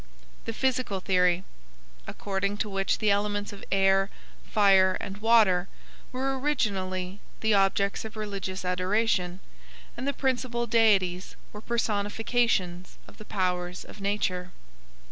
The Physical theory; according to which the elements of air, fire, and water were originally the objects of religious adoration, and the principal deities were personifications of the powers of nature.